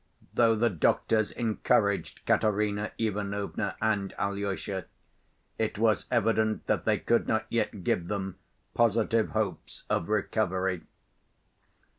Though the doctors encouraged Katerina Ivanovna and Alyosha, it was evident that they could not yet give them positive hopes of recovery.